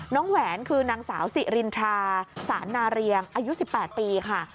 แหวนคือนางสาวสิรินทราสานนาเรียงอายุ๑๘ปีค่ะ